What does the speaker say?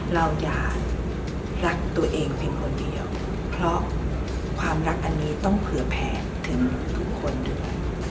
เราอย่ารักตัวเองเพียงคนเดียวเพราะความรักอันนี้ต้องเผื่อแผ่ถึงทุกคนด้วย